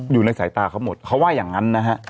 อยู่ในสายตาเขาหมดเขาว่าอย่างนั้นนะฮะ